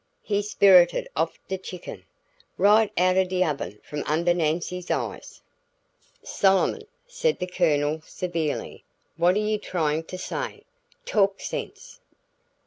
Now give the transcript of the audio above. He's sperrited off de chicken. Right outen de oven from under Nancy's eyes." "Solomon," said the Colonel severely, "what are you trying to say? Talk sense."